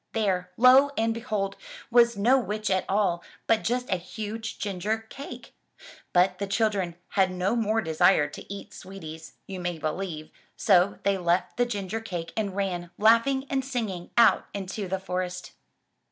There, lo and behold! was no witch at all but just a huge ginger cake! But the chil dren had no more desire to eat sweeties, you may believe, so they left the ginger cake and ran, laughing and singing, out into the forest.